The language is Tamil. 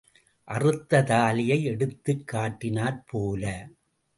அறுத்த தாலியை எடுத்துக் கட்டினாற் போல.